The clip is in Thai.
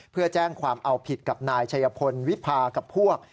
เพื่อแจ้งความเอาผิดกับนายชัยพลวิพากับพวก